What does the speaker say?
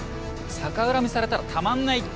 逆恨みされたらたまんないって。